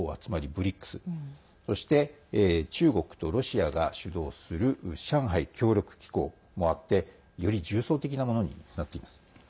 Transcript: ＢＲＩＣＳそして、中国とロシアが主導する上海協力機構もあってより重層的なものになっています。